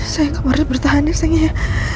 sayang kamu harus bertahan ya sayang ya